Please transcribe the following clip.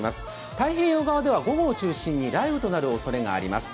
太平洋側では午後を中心に雷雨となるおそれがあります。